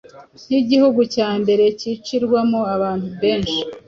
nk’igihugu cya mbere cyicirwamo abantu benshi